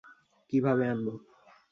কীভাবে আনবো?